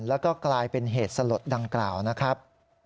แล้วก็กลายเป็นเหตุสลดดังกล่าวนะครับ